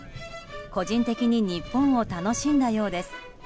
個人的に日本を楽しんだようです。